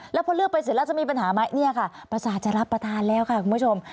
แล้วพอเลือกไปเสร็จแล้วจะมีปัญหาไหมเนี่ยค่ะประสาทจะรับประทานแล้วค่ะคุณผู้ชม